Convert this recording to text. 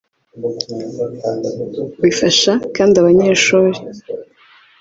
Bifasha kandi abanyeshuri